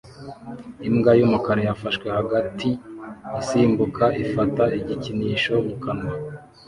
Imbwa y'umukara yafashwe hagati-isimbuka ifata igikinisho mu kanwa